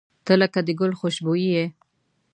• ته لکه د ګل خوشبويي یې.